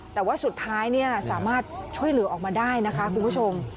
แต่ว่าสุดท้ายสามารถช่วยเหลือออกมาได้นะคะคุณผู้ชม